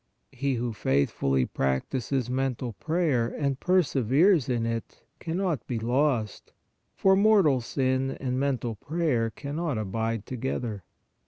He who faithfully practises mental prayer and per severes in it cannot be lost, for mortal sin and mental prayer cannot abide together.